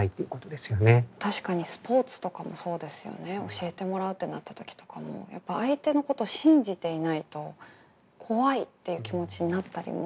教えてもらうってなった時とかもやっぱ相手のこと信じていないと怖いっていう気持ちになったりもする。